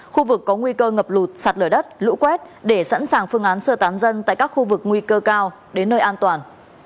khu vực có nguy cơ ngập lụt sạt lở đất lũ quét để sẵn sàng phương án sơ tán dân tại các khu vực nguy cơ cao đến nơi an toàn